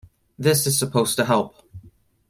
This is supposed to help.